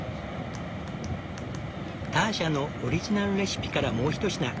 ターシャのオリジナルレシピからもうひと品。